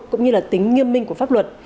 cũng như là tính nghiêm minh của pháp luật